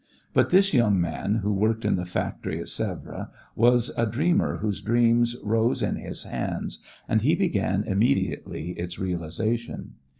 But this young man who worked in the factory at Sèvres was a dreamer whose dream rose in his hands and he began immediately its realization.